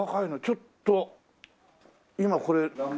ちょっと今これ。